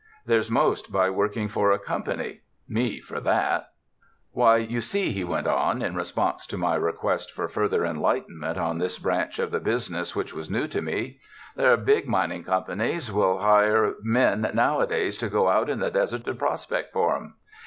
There's most by working for a company; me for that. 2U TOURIST TOWNS '^Why, you see," he went on, in response to my request for further enlightenment on this branch of the business which was new to me, '' there are big mining companies will hire men nowadays to go out in the desert to prospect for them.